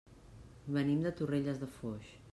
Venim de Torrelles de Foix.